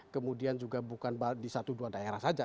kemudian juga bukan di satu dua daerah saja